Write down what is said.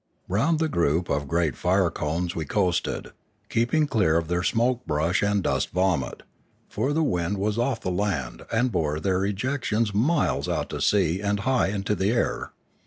Round the group of great fire cones we coasted, 4« 642 Limanora keeping clear of their smoke brush and dust vomit; for the wind was off the land and bore their ejections miles out to sea and high into the air.